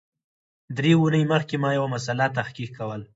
درې اونۍ مخکي ما یو مسأله تحقیق کول